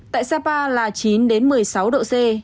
tại sapa là chín một mươi sáu độ c